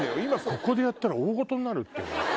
ここでやったら大ごとになるっていうのは。